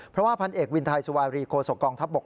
เพราะว่าพันเอกวินไทยสุวารีโคศกองทัพบก